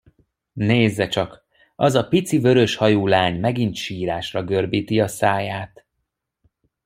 Nézze csak, az a pici vörös hajú lány megint sírásra görbíti a száját!